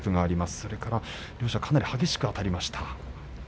それから両者がかなり激しくあたりました。